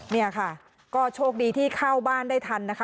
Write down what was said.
เนี่ยค่ะก็โชคดีที่เข้าบ้านได้ทันนะคะ